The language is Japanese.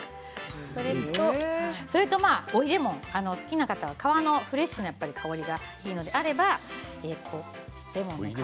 それと好きな方は皮のフレッシュな香りがあるのであれば追いレモン。